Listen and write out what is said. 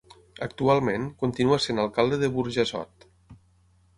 Actualment, continua sent alcalde de Burjassot.